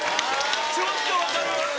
ちょっと分かる。